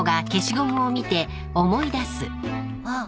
あっ！